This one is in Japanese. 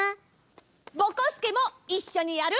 ぼこすけもいっしょにやる？